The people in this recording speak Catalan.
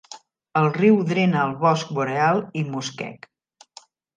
El riu drena el bosc boreal i muskeg.